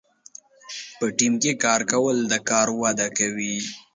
په ټیم کې کار کول د کار وده کوي.